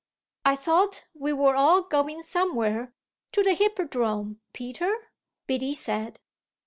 "I thought we were all going somewhere to the Hippodrome, Peter," Biddy said.